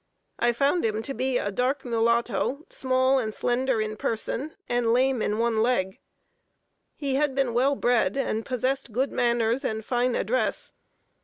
I found him to be a dark mulatto, small and slender in person, and lame in one leg. He had been well bred, and possessed good manners and fine address.